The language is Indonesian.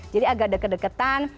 jadi agak ada kedekatan